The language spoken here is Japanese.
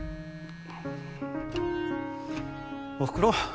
おふくろ？